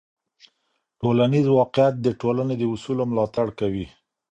ټولنیز واقیعت د ټولنې د اصولو ملاتړ کوي.